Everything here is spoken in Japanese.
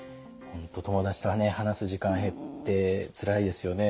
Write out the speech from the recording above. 本当友だちと話す時間減ってつらいですよね。